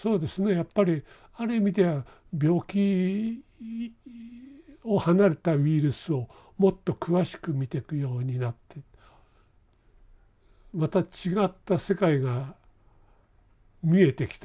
やっぱりある意味では病気を離れたウイルスをもっと詳しく見てくようになってまた違った世界が見えてきた。